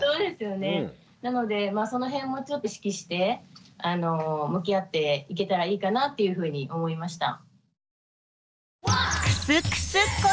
なのでその辺もちょっと意識して向き合っていけたらいいかなっていうふうに思いました。